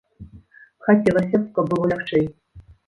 Хацелася б, каб было лягчэй.